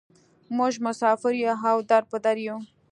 موږ مسافر یوو او در په در یوو.